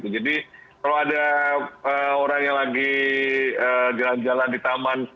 jadi kalau ada orang yang lagi jalan jalan di taman